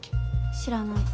知らない。